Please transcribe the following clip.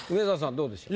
どうでしょう？